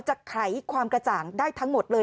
ไขความกระจ่างได้ทั้งหมดเลย